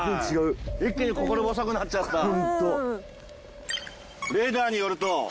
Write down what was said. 一気に心細くなっちゃったホントここ？